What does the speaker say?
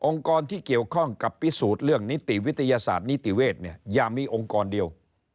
กรที่เกี่ยวข้องกับพิสูจน์เรื่องนิติวิทยาศาสตร์นิติเวศเนี่ยอย่ามีองค์กรเดียว